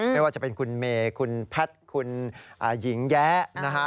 ไม่ว่าจะเป็นคุณเมย์คุณแพทย์คุณหญิงแยะนะฮะ